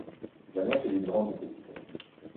La nef est d'une grande complexité.